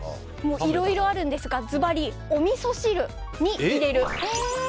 いろいろあるんですがずばり、おみそ汁に入れる。